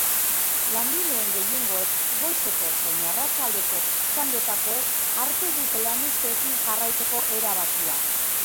Langileen gehiengoek, goizeko zein arratsaldeko txandetakoek, hartu dute lanuzteekin jarraitzeko erabakia.